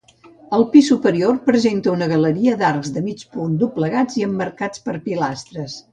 El pis superior presenta una galeria d'arcs de mig punt doblegats i emmarcats per pilastres.